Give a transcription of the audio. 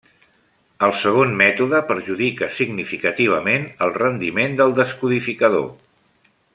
El segon mètode perjudica significativament el rendiment del descodificador.